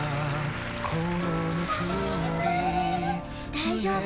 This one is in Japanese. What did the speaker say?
大丈夫。